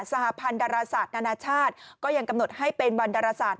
สหพันธ์ดาราศาสตร์นานาชาติก็ยังกำหนดให้เป็นวันดาราศาสต